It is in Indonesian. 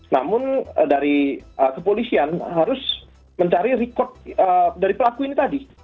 namun dari kepolisian harus mencari rekod dari pelaku ini tadi